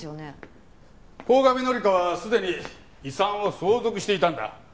鴻上紀香はすでに遺産を相続していたんだ。